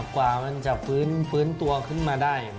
กว่ามันจะฟื้นตัวขึ้นมาได้